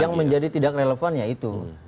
yang menjadi tidak relevan yaitu